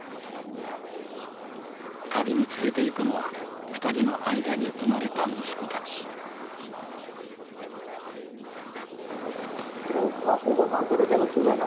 旅に連れていくのは２人の間に生まれた息子たちお子さん連れでの取材なかなか大変ですね。